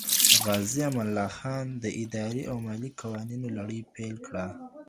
غازي امان الله خان د اداري او مالیې قوانینو لړۍ پیل کړه.